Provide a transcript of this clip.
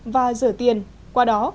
và rửa tiền qua đó